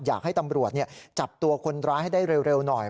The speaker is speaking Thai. อยากให้ตำรวจจับตัวคนร้ายให้ได้เร็วหน่อย